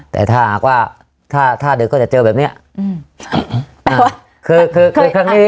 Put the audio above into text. แต่ถ้าหากว่าถ้าถ้าดึกก็จะเจอแบบเนี้ยอืมอ่าคือคือครั้งนี้